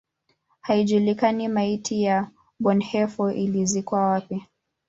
Haijulikani maiti ya Bonhoeffer ilizikwa wapi.